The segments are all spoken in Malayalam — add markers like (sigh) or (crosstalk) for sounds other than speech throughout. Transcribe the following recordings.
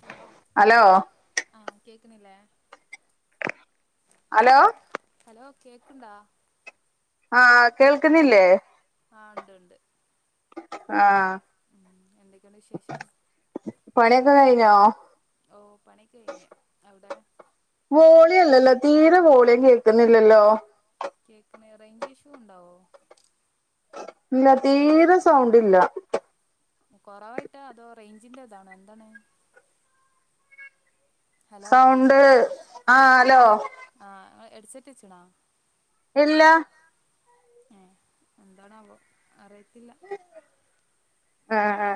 ഹലോ ആ കേൾക്ക്ന്നിലെ അലോ ഹലോ കേക്ക്ണ്ട ആ കേൾക്ക്ണില്ലേ ആഹ് ഇണ്ട് ഇണ്ട് ആ പണിയൊക്കെ കഴിഞ്ഞോ? ഓ പണി ഒക്കെ ക്കഴിഞ്ഞ് അവിടെ? വോളിയം ഇല്ലല്ലോ തീരെ വോളിയം കേൾക്കുന്നില്ലല്ലോ? കേക്ണില്ല റേഞ്ച് ഷ്യൂ ഉണ്ടാവോ? ഇല്ല തീരെ സൗണ്ട് ഇല്ല- കൊറവായിട്ടാ അതോ റേഞ്ചിന്റെ ഇതാണോ എന്താണ്? സൗണ്ട് ആ ഹലോ- ആഹ് ഇങ്ങള് ഹെഡ് സെറ്റ് വെച്ച്ക്ണാ? ഇല്ല- ഏ എന്താണാവോ? അറിയത്തില്ല- ആ ആ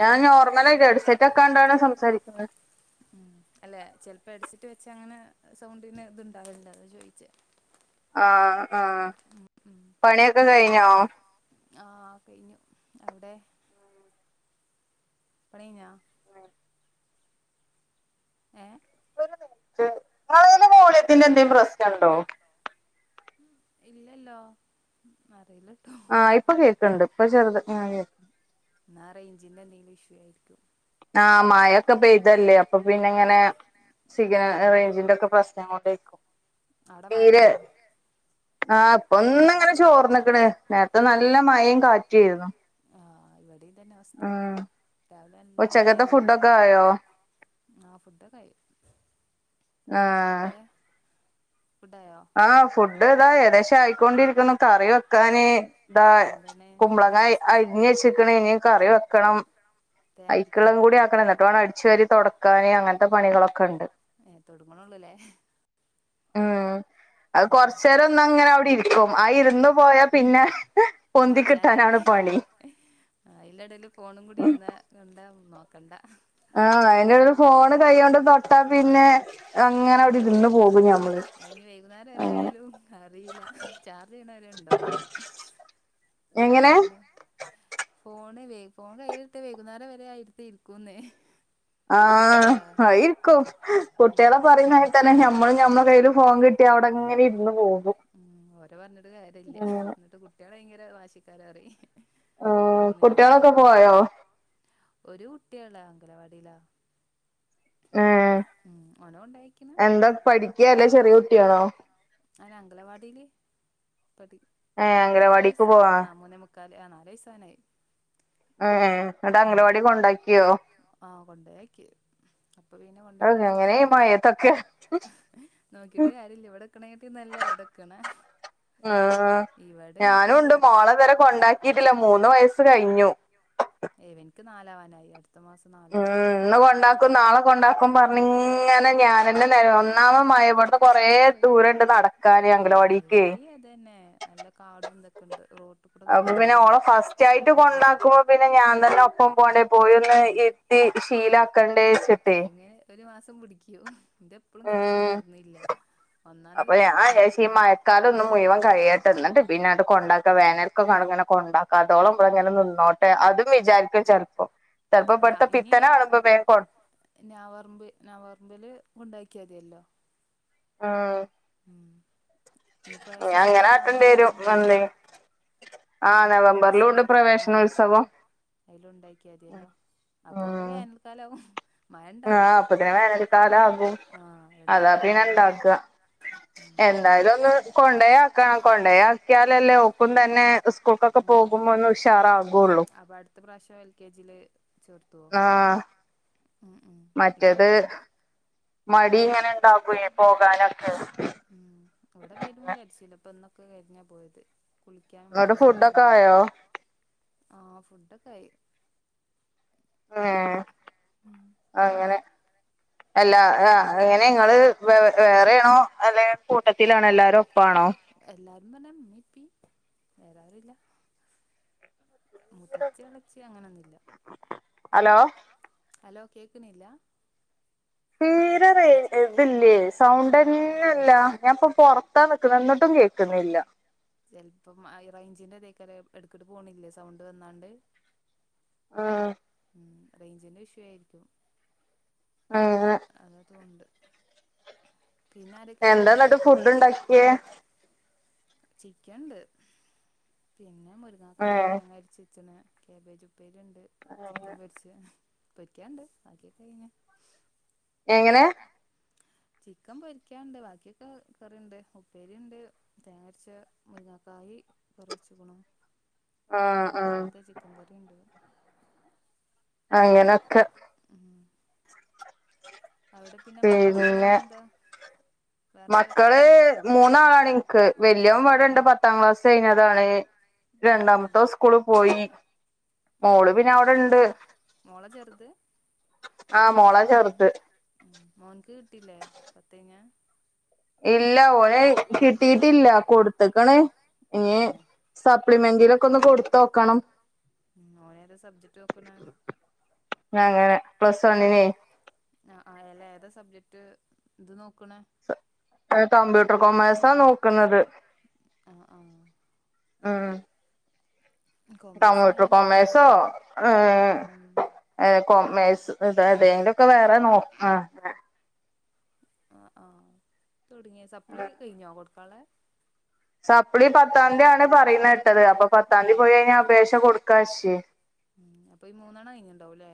ഞാൻ നോർമലായിട്ട് ഹെഡ് സെറ്റ് ഇതക്കാണ്ടാണ് സംസാരിക്കുന്നത് ഉം അല്ലെ ചിലപ്പോ ഹെഡ് സെറ്റ് വെച്ച് അങ്ങനെ സൗണ്ടിന് ഇതുണ്ടാവില്ല അതാ ചോയിച്ചേ ആഹ് ആഹ് പണിയൊക്കെ കഴിഞ്ഞോ ആഹ് കഴിഞ്ഞു അവിടെ പണി കഴിഞ്ഞാ ഏഹ് ഒരു മിന്റ് അവിടെ വോളിയത്തിന്റെ എന്തേലും പ്രശ്നം ഉണ്ടോ ഇല്ലല്ലോ അറിയില്ല ആഹ് ഇപ്പൊ കേക്കണ്ട് ഇപ്പൊ ചെറുത് (unintelligible) ന്നാ റേഞ്ചിന്റെ ന്തങ്കിലും ഇഷ്യൂ ആയിരിക്കും ആഹ് മഴക്കെ പെയ്തല്ലേ അപ്പൊ പിന്നെ ഇങ്ങനെ സിഗ റേഞ്ചിന്റെക്കെ പ്രശ്നം കൊണ്ടേക്കും അവിടെ മഴ ഇണ്ടാ ആഹ് ഇപ്പൊ ഒന്ന് ഇങ്ങനെ ചോർന്നക്കണ് നേരത്തെ നല്ല മഴയും കാറ്റും ആയിരുന്നു ആഹ് ഇവടിം ഇതന്നെ അവസ്ഥ രാവിലെ നല്ല മഴ പെയ്ത് പോയി ആ ഫുഡ്ക്കെ ആയി ആഹ് ഫുഡ് ആയോ ആഹ് ഫുഡ് ഇതാ ഏകദേശം ആയിക്കൊണ്ടിരിക്കുന്നു കറി വെക്കാന് എന്താണ് ഇന്ന് എന്താ സ്പെഷ്യൽ കുമ്പളങ്ങ അരിഞ്ഞ് വെചക്കണ്‌ ഇനി കറി വെക്കണം തേങ്ങ അരക്കലാ ഇന്നിട്ട് വാണം അടിച്ചോരി തൊടക്കാന് അങ്ങനത്തെ പണികളൊക്കെ ഇണ്ട് ഏഹ് തൊട്ങ്ങണൊള്ളു ഏഹ് ഉം അത് കൊറച്ചേരം ഒന്ന് അങ്ങനെ അവിടെ ഇര് ക്കും ആഹ് ഇരന്ന് പോയാ പിന്നെ പൊന്തി കിട്ടാനാണ് പണി അയ്ലിടയില് ഫോണും കൂടി ഇരന്ന് കണ്ടാ നോക്കണ്ട ആഹ് അയിന്റെ എടേല് ഫോണ് കൈ കൊണ്ട് തൊട്ടാ പിന്നെ അങ്ങനെ അവിടെ ഇരന്ന് പോകും ഞമ്മള് അയഞ്ഞി വൈകുന്നേരം വരെ ആയാലും അറിയില്ല ചാർജ് തീരണണവരെ ഉണ്ടാവും (inaudible) ഫോണ് ഫോണ് ഫോൺ കയ്യിലെടുത്ത് വൈകുന്നേരം വരെ ആ ഇരിത്തം ഇരിക്കുന്നേ ആഹ് അയ്രിക്കും കുട്ടികളെ പറയണ മാതിരി തന്നെ ഞമ്മളും ഞമ്മള കയ്യിൽ ഫോൺ കിട്ടി ട്ടിയ അവിടെ അങ്ങനെ ഇരുന്ന് പോകും ഉം ഓരെ പറഞ്ഞിട്ട് കാര്യമില്ല ന്നിട്ട് കുട്ടികളെ ഭയങ്കര വാശിക്കാരാന്ന് പറയും ഫോണിന് അത് കുട്ടിയാള് ഒക്കെ പോയോ ഒരു കുട്ടി ഒള്ളൂ അംഗനവാടിയിലാ ഉം ആഹ് ഉം ഓനെ കൊണ്ടെയ്കിന്ന് ഓന് അംഗനവാടിയില് പതി മൂന്നര വയ്സ് ആ മൂന്നേ മുക്കാല് ആ നാല് വയസ് ആകാനായി ഉം എന്നിട്ട് അംഗനവാടീ കൊണ്ടാക്കിയോ ആ കൊണ്ടോയാക്കി അപ്പൊ പിന്നെ കൊണ്ടയാക്കുമ്പോപിന്നേ നോക്കിട്ട് കാര്യം ഇല്ല ഇവിടെ നിക്കണകാട്ടിൻ നല്ലത് അവിടെ നിക്കണെ ആഹ് ഞാനുണ്ട് മോളതരെ കൊണ്ടാക്കിട്ടില്ല മൂന്ന് വയസ്സ് കഴിഞ്ഞു ഇവൻക്ക് നാലാവാനായി അട്ത്ത മാസം നാലാവും ഇന്ന് കൊണ്ടാക്കും നാളെ കൊണ്ടാക്കും പർഞ്ഞിങ്ങനെ ഞാനെന്നെ നേ ഒന്നാമത് മയ ഇബ്ടന്ന് കൊറേ ആഹ് ഇവടേം അതെന്നെ നല്ല കാടും തൊക്കെണ്ട് റോ അപ പിന്നെ ഓളെ ഫസ്റ്റ് ആയിട്ട് കൊണ്ടാക്കുമ്പോ പിന്നെ ഞാൻ തന്നെ ഒപ്പം പോണ്ടേ പോയൊന്ന് ഇ എത്തി ശീലാക്കണ്ടെ അഅ്ങ്ങനെ ഒരു മാസം പിടിക്കു ന്റെ പ്പളും കരച്ചില് നിർന്നില്ല ഒന്നാം തീയ് കൊണ്ടച്ച്ന് ത്താത ന്ന് മുയുവൻ കയയട്ടെ ന്ന്ട്ട് പിന്നാട്ട് കൊണ്ടാ ക്ക വേനൽക്കൊകാണ് ങ്ങന കൊണ്ടാക്കാത്തോളം (unintelligible) നിന്നോട്ടെ അതും വിചാരിക്കും ചെൽപം ചെൽപ്പോ ഇവിടുത്തെ പിത്തന കാണുമ്പോ വേം കൊ നവർമ്പ് നവർമ്പില് കൊണ്ടാക്ക്യാതിയല്ലൊ ആഹ് ഉം നിപേ ശിശുദിനൊ അങ്ങനന്തോ ണ്ടല്ലോ നവംബറോ ഡിസംബർ ആഹ് അയിലുണ്ടാക്ക്യാതിയല്ലോ അപ്പൊവു വേനൽക്കാലാവും മയണ്ടാവൂല ആഹ് രണ്ടോസം കഴിഞ്ഞ വേനല് ഉം ആ തൊന്ന് കൊണ്ടേയാക്കണം കൊണ്ടോയാക്ക്യാലല്ലേ ഒ ക്കും തന്നെ ഉസ്കൂൾക്കൊക്ക പോകുമ്പൊന്നുഷാറാഗോള്ളൂ ത്ത പ്രാവശ്യം എൽ കെ ജില് ചേർത്തുഓ ആ ഉം ഉം ഇപ്പ (unintelligible) മടിങ്ങനെണ്ടൊ പുഴെ പോകാനൊക്കെ ഉം വടെ പെരും കരച്ചില് പ്പം ന്നൊക്കെ കര്ഞ്ഞാ പോയത് കുളിക്കാൻ മാറ്റി വരും വേറ ഫുഡൊക്കെ വേണോ? ആഹ് ഫുഡൊക്കായി ഉം അങ്ങനെ എല്ല എ എങ്ങനെ ങ്ങള് വെ വെ വേറെണോ അല്ലെ കൂട്ടത്തിലാണൊ ല്ലാരൊപ്പാണോ? എല്ലാരുംന്നർ ഞ്ഞാ മ്മേം പ്പേയ് വേറാരുല്ല മൂത്തച്ചി എളച്ചി അങ്ങനൊന്നില്ല ഹലോ ഓ ഹലോ കേക്ക്ണില്ലാ? ട റേ തില്ലേ സൗണ്ടെന്നല്ല ഞാൻപ്പൊ പൊറത്താ നിക്ക്ന്ന ന്ന്ട്ടും കേക്ക്ന്നില്ല ചെൽപ്പം അയ് റേയ്ഞ്ചിന്റെ തേയ്ക്കത് എട്ക്ക്ട്ട് പോണില്ലെ സൗണ്ട് വന്നാണ്ട് ആഹ് ഊം റെയ്ഞ്ചിന്റെ ഇഷ്യൂ ആയിരിക്കു അ അ അതാ തോണ്ട് എന്താ ന്ന്ട്ട് ഫുഡ്ഡ്ണ്ടാക്കിയേ? ചിക്കൻണ്ട് പിന്ന മുര്ങ്ങാക്കായി തേങ്ങരച്ച്ച്ചണ് കേബേജു പ്പേലിണ്ട് ചിക്കം പൊരിച്ച് പൊരിക്കാൻണ്ട് ബാക്കിക്കെയ്ഞ് എങ്ങനേ? ചിക്കം പൊരിക്കാൻണ്ട് ബാക്കിക്ക കറിണ്ട് ഉപ്പേരിണ്ട് തേങ്ങരച്ചേ മുരിങ്ങാക്കായി കറിയെച്ച്ക്കുണു ഇന്താവിൽത്തെ ചിക്കം കറിണ്ട് അങ്ങനൊക്കെ അവ്ടെ പിന്ന മക്കളൊക്കെ പിന്നെന്താ? മക്കള് മൂന്നാളാണ് ഇൻക്ക് വല്ല്യോൻ ഇവടണ്ട് പത്താം ക്ലാസ്സയ്ഞ്ഞതാണ് രണ്ടാമത്തൊ സ്കൂള് പോയി ആഹ് മോൾ പിന്നവിടണ്ട് മോള ചെറ്ത്? ആഹ് മോള ചെറ്ത് ഉം മോൻക്ക് കിട്ടീല്ലേ പത്തയ്ഞ്ഞ ഇല്ല ഓലെ കിട്ടിട്ടില്ല കൊടുത്തക്കണ് ഇനി സപ്ലിമെന്റിലൊക്കെ ഒന്ന് കൊടുത്ത നോക്കണം ഉം ഓനേത സബ്ജെക്ട് നോക്കണ ഞങ്ങനെ പ്ലസ് വണിനെ ആഹ് അയാല ഏതാ സബ്ജക്ട് ഇത് നോക്കണ അഹ് കമ്പ്യൂട്ടർ കൊമേഴ്സ നോക്കുന്നത് ആഹ് ആഹ് ആഹ് ടമോട്ടർ കോമെഴ്‌സോ ഏഹ് ഏഹ് കൊമെഴ്‌സ് അതെങ്കിലുക്കെ വേറെ നോക്ക നോക്കണേ ആഹ് ആഹ്തുടങ്ങിയ സപ്ലി കഴിഞ്ഞോ കൊടുക്കാള്ളെ സപ്ലി പത്താംതിയാണ് പറയുന്നിട്ടത് അപ്പൊ പത്താംതി പോയി കഴിഞ്ഞാ അപേക്ഷ കൊടുക്കാശേ ഉം അപ്പൊ മൂന്നെണ്ണം കഴിഞ്ഞുണ്ടാവൂല്ലേ.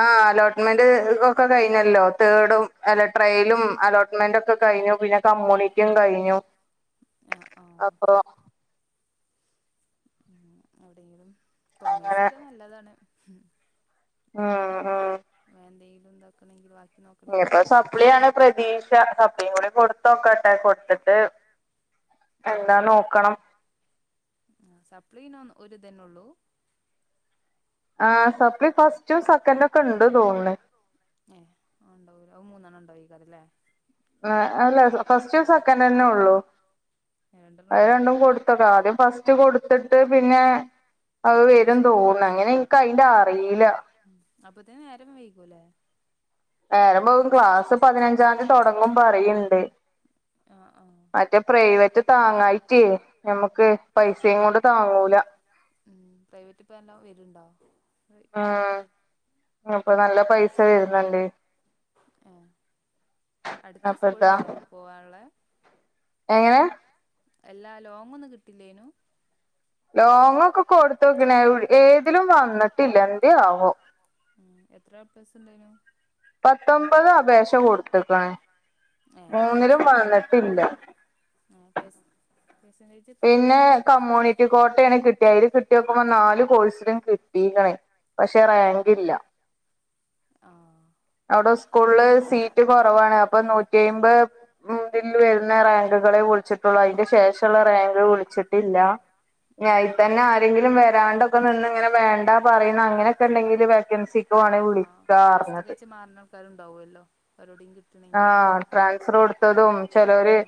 ആഹ് അലോട്ട്മെന്റ് ഒക്കെ കഴിഞ്ഞല്ലോ തേർഡും അല്ല ട്രയലും അലോട്ട്മെന്റും ഒക്കെ കഴിഞ്ഞു പിന്നെ. കമ്മുണിറ്റിയും കഴിഞ്ഞു. ഏഹ് ആഹ്. അപ്പൊ. ഉം എവിടെ യെങ്കിലും കോമേഴ്സ് കിട്ടിയ നല്ലതാണ്. ആഹ് ആഹ്. വെറെന്തെങ്കിലും എന്താക്കണമെങ്കിൽ ബാക്കി നോക്കണെങ്കിൽ ഇനിയിപ്പം സപ്ലീയാണ് പ്രതീക്ഷ സപ്ലിം കുടെ കൊടുത്ത് നോക്കട്ടെ കൊടുത്തിട്ട്. ഉം എന്താ നോക്കണം സപ്ലീ ഒ ഒരു ഇത് തന്നെ ഉള്ളൂ. ആഹ് സപ്ലീ ഫസ്റ്റും സെക്കൻഡും ഒക്കെ ഉണ്ട് തോന്നുണ്. ഏ ഉണ്ടോ അത് മൂന്നെണ്ണം ഉണ്ടാവു യ്ക്കാരം ല്ലേ ആഹ് അല്ലെ ഫസ്റ്റും സെക്കൻഡും തന്നെ ഉള്ളു. അത് രണ്ടും കൊടുത്തതാ ആദ്യം ഫസ്റ്റ് കൊടുത്തിട്ട് പിന്നെ. അത് വരും തോന്നുന്നു അങ്ങനെ. നിക്ക് അതിന്റെ അറിയില്ല അപ്പത്തേന് നേരം വൈകുലേ. നേരം വൈകും ക്ലാസ് പതിനഞ്ചാംതീ തുടങ്ങും പറയുണുണ്ട്. ആഹ് ആഹ് മറ്റേ പ്രൈവറ്റ് താങ്ങായിട്ടേ നമുക്ക്. പൈസേ കൊണ്ട് താങ്ങൂലാ ഉം പ്രൈവറ്റ് ഇപ്പ നല്ലോ വരുണ്ടോ ഇങ്ങനെ. ഉം ഇപ്പോ നല്ല. നല്ല പൈസ വരുന്നുണ്ട് ഏഹ്. അടുത്ത് സ്കൂള് ഉണ്ടോ പോവാനുള്ളേ? എങ്ങനെ. എല്ലാ ലോങ്ങ് ഒന്നും കിട്ടില്ലേനു. ലോങ്ങൊക്കെ കൊടുത്ത്‌ നോക്കിന് ഏതിലും വന്നിട്ടില്ല എന്തേ ആവോ. ഉം എത്ര എ പ്ലസ് ഉണ്ടായിരുന്നു. പത്തൊമ്പത് അപേക്ഷ കൊടുത്ത്ക്ക് ണ്. ഏഹ് പത്തൊന്ന് പേസ് പേസന്റേജ് എത്രയുണ്ട്. എനിക്ക് കോട്ടയംആണ് കിട്ടിയ അയില് കിട്ടി നോക്കുമ്പോ നാല് കോഴ്സിലും കിട്ടീക്ക്ണ്. പക്ഷെ റാങ്കില്ല. ആഹ്. അവിടെ സ്കൂളില് സീറ്റ് കുറവാണ് അപ്പൊ നൂറ്റി അമ്പതിൽ വരുന്ന റാങ്കുകളെ വിളിച്ചി ട്ടുള്ളു അതിന് ശേഷമുള്ള റാങ്ക് വിളിച്ചിട്ടില്ല. അയി തന്നെ ആരെങ്കിലും വരാണ്ടൊക്കെ നിന്ന് ഇങ്ങനെ വേണ്ട പറയണ അങ്ങനെയൊക്കെ ഉണ്ടെങ്കിൽ വേക്കൻസിക് വേ ആഹ് ലാസ്റ്റ് വെച്ച് മാറണ ആൾക്കാരു ഉണ്ടാവുമല്ലോ വെറെ വെടെയും കിട്ട ആഹ് ട്രാൻസ്ഫർ കൊടുത്തതും ചിലോര്.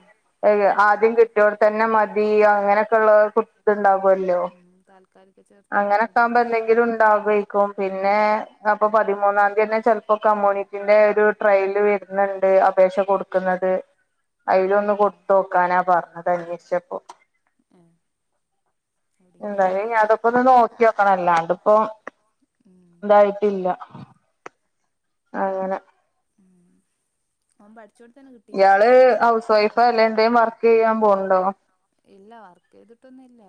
ആഹ് ആദ്യം കിട്ടിയോടെത്ത് തന്നെ മതി അങ്ങനെയൊക്കെ ഉള്ള കുട്ടി ഉണ്ടാവുമല്ലോ. അങ്ങനെക്കാവുമ്പോ എന്തെങ്കിലും ഉണ്ടാകുവേ. പിന്നെ അപ്പൊ പതിമൂന്നാം തീയതി തന്നെ ചെലപ്പോ കമ്മ്യൂണിറ്റിന്റെ ഒരു ട്രിയിൽ വരുന്നു ണ്ട് അപേക്ഷ കൊടുക്കുന്നത് അതില് ഒന്ന് കൊടുത്തു നോക്കാ ക്കാനാ പറഞ്ഞത് അന്വേഷിച്ചപ്പോ. ഏഹ്. എന്തായാലും ഞാനിതൊക്കെ ഒന്ന് നോക്കി വെക്കണേല്ലോ അല്ലാട്ടിപ്പം എന്തായി ഇല്ല. അങ്ങനെ. ഉം ഓൻ പഠി ഇയാള് ഹൗസ് വൈഫാ അല്ല എന്തേലും വർക്ക് ചെയ്യാൻ പോവണുണ്ടോ? ഇല്ല വർക്ക് ചെയ്തിട്ടൊന്നും ഇല്ല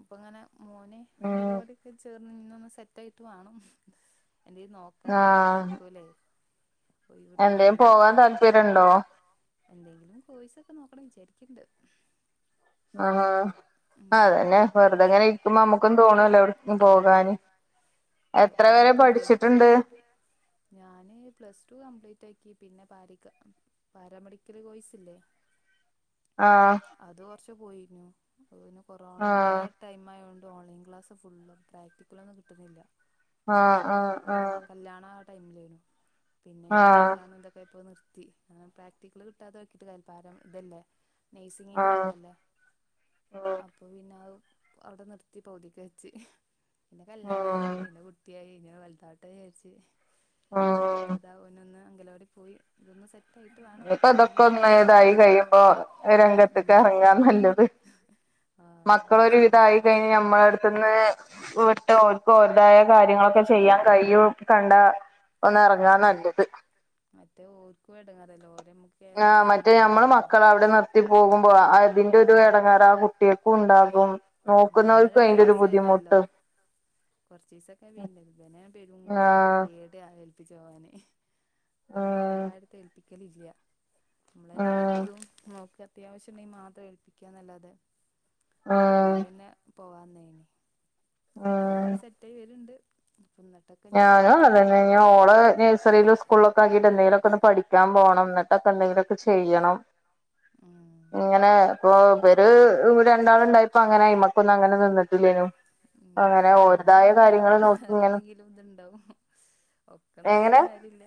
ഇപ്പ ഇങ്ങനെ മോനെ അങ്കിലവാടൊക്കെ ചേർ ത്ത് നിന്നൊന്ന് സെറ്റ് ആയിട്ട് വേണം എന്തേലുംനോക്കാന് ഇല്ലെ നടക്കൂല്ലേ. പോയി വിട്ടൂ ലോന വായ്ത്താലെ എന്തേലു പോകാൻ താല്പര്യ ണ്ടോ? എന്തെങ്കിലും കോയ്സൊക്കെ നോക്കണം വിചാരിക്കുന്നുണ്ട്. ആഹാ ആ അതന്നെ വെറുതെ ഇങ്ങനെ ഇരിക്കുമ്പോ നമ്മുക്കും തോന്നുവല്ലോ എവിട് കെ പോകാന് എത്ര വരെ പഠിച്ചിട്ടുണ്ട് ഞാന് പ്ലസ് ടു കംപ്ലീറ്റ് ആക്കി പിന്നെ പ പാരാമെഡിക്കല് കോഴ്സില്ലേ (inaudible) ആഹ് അത് കുറച്ച് പോയിരുന്നുു അ പിന്നെ കൊറോണന്റെ ടൈം ആയോണ്ട് ഓൺലൈൻ ക്ലാസ് ഫുള്ള് പ്രാക്ടിക്കലൊന്നും കിട്ടുന്നില്ല കൊറോ കല്യാണം ആ ടൈമിലു പിന്നെരു കല്യാണം എന്തൊക്കെ ഇപ്പ നിർ പ്രാക്ടിക്കല് കിട്ടാതെ വക്കിട്ട് കാരം പാരാമേ ഇതല്ലേ നഴ്സിങ്ങിന്റെറ ഇതക്കെല്ലേ അപ്പൊ പിന്നെ അവ് അവിടെ നിർത്തി പകുതിക്കെ വെച്ച് പിന്നെ കല്യാണായി പിന്നെ കു കുട്ടിയായി ഇഞ്ഞ വലുതാവട്ടെ ചരിച്ച് ഇപ്പതാ ഒന ഒന്ന് അങ്കലോടി പോയി ഇതൊന്ന് സെറ്റ് ഇ ഇപ്പോ അതൊക്കെ ഒന്ന് ഇതായി കഴിയുമ്പോ രംഗത്തൊക്കെ ഇറങ്ങാൻ നല്ലത് (inaudible) മക്കളൊരു വിധായി കഴിഞ്ഞ് ഞമ്മള അടുത്തന്ന് ഇവട് ഓർക്ക് ഓര്തായ കാര്യങ്ങളൊക്കെ ചെയ്യാൻ കഴും കണ്ട ഒന്ന് ഇറങ്ങാൻ നല്ലത് മറ്റേ ഊൽക്കും ഇടങേറല്ലേ ഓരമ്മക്ക് ആ മറ്റേ മ്മള് മക്കൾ അവിടെ നിർത്തി പോകുമ്പോ അതിന്റെ ഒരു ടങ്ങ ആ കുട്ടിൾക് ഉണ്ടാകും നോക്കുന്നവർക്ക് അതിന്റെ ഒരു ബുദ്ധിമുട്ട് കുറചീസൊക്കെ വീണ്ട പിനെ പെരും കുറുമ്പ പേര് ഏൽപ്പിച്ചച്ച് പോകാനെ പിന്നെ വല്ലായിടത്തും ഏൽപ്പിക്കല ഇല്ല നമ്മൾ തന്നെ കഴിയുന്നതും നമുക്ക് അത്യാവശ്യംണ്ടെങ്ക മാത്രം ഏൽപ്പിക്കാന്നല്ലാതെ അപ്പ അങ്ങനെ പിന്നെ പോവാന്നേനി ആഹ് പി സെറ്റായി വര്ണ്ട് ഞാനോ അങ്ങ്തന്നെ പിന്നെ ഓള് നഴ്സറിൽ സ്കൂളിലൊക്കെ ആക്കിട്ട് എന്തങ്കിലുക്കെ ഒന്ന് പഠിക്കാൻ പോണം എന്നിട്ടൊക്കെ എന്തെങ്കിലൊക്കെ ചെയ്യണം ഉം ഇങ്ങനെ ഇപ്പൊ വര് രണ്ടാളുണ്ടായിപ്പ അങ്ങനെ അയ്ക്കൊന്നും അങ്ങനെ നിന്നിട്ടില്ലേനു ഉം അ ഒന്ന് കഴിഞ്ഞ അടുത്ത് വേറെന്തെങ്കിലും ഇണ്ടാവും ഒക്കെ നോക്കിട്ടും കാര്യല്ല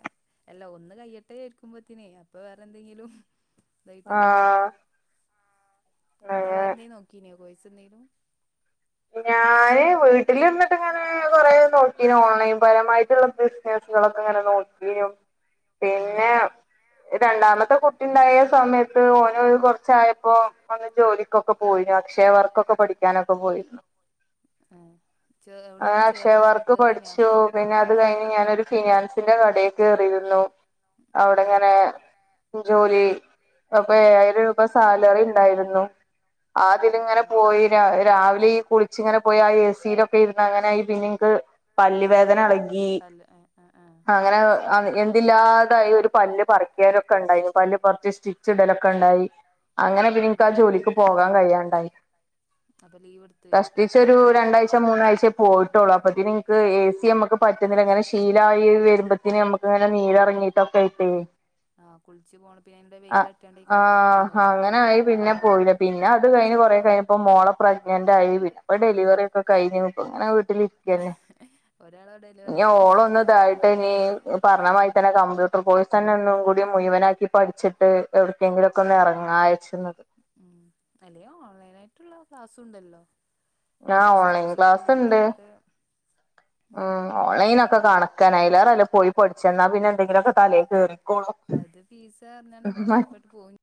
അല്ല ഒന്ന് കയ്യട്ടെ കേരിക്കുമ്പോത്തിനെ അപ്പൊ വേറെ എന്തെങ്കിലും ഇതായിട്ട് നിക്കും ഇങ്ങള് വേറെന്തേങ്കിലും നോക്കീനോ കോഴസ് എന്തെങ്കലും ഞാന് വീട്ടിൽന്നിട്ട് ഇങ്ങനെ കൊറെേ നോക്കീണ് ഓൺലൈൻ പരമായി ബിസിനസുകളൊക്കെ ഇങ്ങനെ നോക്കിനു പിന്നെ രണ്ടാമത്തെ കുട്ടി ഉണ്ടായ സമയത്ത് ഓന കുറച്ചായപ്പോ ഒന്ന് ജോലി ക്കൊക്കൊ പോയിരുന്നു അക്ഷയവർക്കൊക്കെ പഠിക്കാനൊക്കെ പോയി ഏ ചേർ എവിടെങ്കിലും ചേർന്നീനോ കേറീനോ പിന്നെ അത് കഴിഞ്ഞ് ഞാനൊരു ഫിനാൻസിന്റെ കടെ കേറിയിരുന്നു ഉം ജോലി അപ്പൊ ഏഴായിരം രൂപ സാലറി ണ്ടായിരുന്നു ആതില്ങ്ങനെ പോയി രാ രാവിലെ ഈ തല വേദന തല ഏ ആ ആ അങ്ങനെ അ എന്തില്ലാതായി ഒരു പല്ല് പറിക്കേലൊക്കെണ്ടായിനു പല്ല് പറച്ച് സ്റ്റിച്ച് ഇടലൊക്കെണ്ടായി അങ്ങനെ പിന്നിൻക്കാ ജോലിക്ക് പോകാൻ കഴിയാണ്ടായി അപ്പൊ ലീവ് ട് കഷ്ടിച്ചൊരു രണ്ടാഴ്ച മൂന്നാഴ്ച പോയിട്ടോള്ളൂ അപ്പത്തിന് ൻക്ക് ഏ സി നമ്മക്ക് പറ്റുന്നില്ല ഞാൻ അത് ശീ ശീലായി വരുമ്പത്തിന് നമക്ക് ഇങ്ങനെ നീരറങ്ങീട്ടൊക്കെയിട്ടേ ആഹ് ആ ഹാ അങ്ങനെയായി പിന്നെ പോയില പിന്നെ അത് കഴിഞ് കുറേ കഴിഞ്ഞപ്പോ മോള പ്രഗ്നന്റ് ആയി പിന്നെപ്പൊ ഡെലിവറി ഒക്കെ കഴിഞ് ഇപ്പൊ ഇങ്ങനെ വീട്ടിലി ക്കെന്നെ ഇഞ്ഞ് ഓളൊന്ന് ഇതായിട്ടെ ഇഞ്ഞീ പറഞ്ഞമാതിരിതന്നെ കമ്പ്യൂ ട്ടർ കോഴ്സിന്നെ ഒന്നും കൂടി മുഴുവനാക്കി പഠിച്ചിട്ട് എവിടക്കെങ്കിലും ഒക്കെ ഒന്ന് എറങ്ങാച്ച് ന്നത് ഉം അല്ലേ ഓൺലൈനാ ആയിട്ടുള്ള ക്ലാസ്സുണ്ടല്ലോ ഒരു സ്റ്റിച്ചിങ് അങ്ങനത്തൊക്കെ മ് ഓൺലൈനൊക്കെ കാണക്കന്നെ അയ്ലേറെ ല്ലെ പോയി പഠിച്ച ന്നാ പിന്നെ എന്തെങ്കി ലൊക്കെ തലീക്കേ അത് ഫീസാ റ്ഞ്ഞാണ്ട് നമ്മള് പുറപ്പട്ട് പോകും